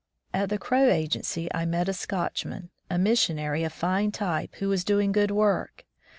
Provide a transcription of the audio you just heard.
At the Crow agency I met a Scotchman, a missionary of fine type, who was doing good work.